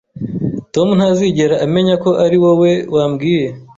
Tom ntazigera amenya ko ari wowe wambwiye